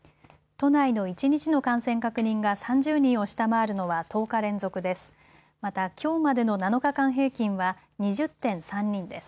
都内の一日の感染確認が３０人を下回るのは１０日連続です。